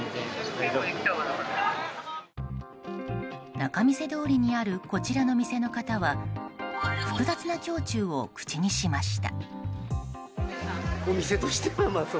仲見世通りにあるこちらの店の方は複雑な胸中を口にしました。